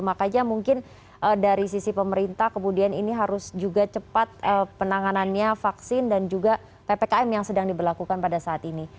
makanya mungkin dari sisi pemerintah kemudian ini harus juga cepat penanganannya vaksin dan juga ppkm yang sedang diberlakukan pada saat ini